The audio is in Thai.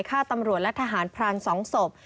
ฆ่าตำรวจและทหารพราน๒ศพ